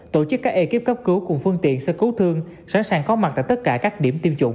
tổ chức các ekip cấp cứu cùng phương tiện xe cứu thương sẵn sàng có mặt tại tất cả các điểm tiêm chủng